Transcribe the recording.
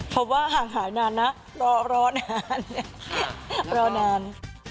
เพราะว่าหางหายนานนะรอนาน